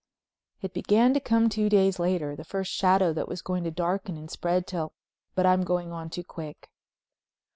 It began to come two days later, the first shadow that was going to darken and spread till—but I'm going on too quick.